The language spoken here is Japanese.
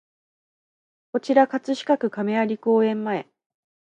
こちら葛飾区亀有公園前